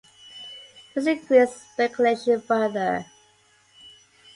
This increased speculation further.